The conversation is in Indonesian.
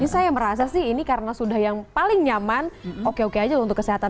saya merasa sih ini karena sudah yang paling nyaman oke oke aja untuk kesehatan